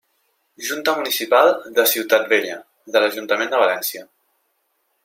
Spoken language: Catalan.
Junta Municipal de Ciutat Vella, de l'Ajuntament de València.